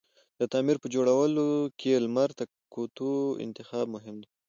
د تعمير په جوړولو کی لمر ته کوتو انتخاب مهم دی